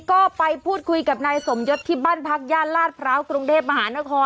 ก็ไปพูดคุยกับนายสมยศที่บ้านพักย่านลาดพร้าวกรุงเทพมหานคร